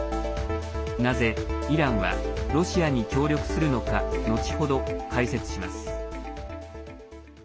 なぜイランは、ロシアに協力するのか、後程解説します。